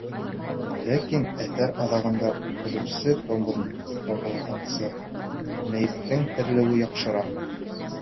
Ләкин әҫәр аҙағында үлтереүсе табылғансы, мәйеттең терелеүе яҡшыраҡ.